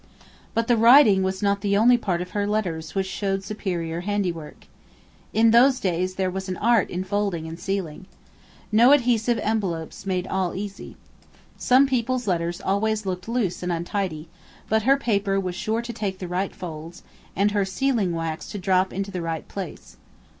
But the writing was not the only part of her letters which showed superior handiwork. In those days there was an art in folding and sealing. No adhesive envelopes made all easy. Some people's letters always looked loose and untidy; but her paper was sure to take the right folds, and her sealing wax to drop into the right place.